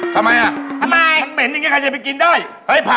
ทำไมมันมีปัญหาอะไรวะ